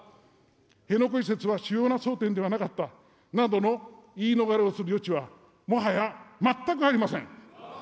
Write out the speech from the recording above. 辺野古移設は主要な争点ではなかったなどの言い逃れをする余地は、もはや全くありません。